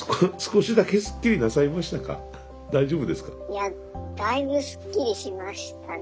いやだいぶすっきりしましたね。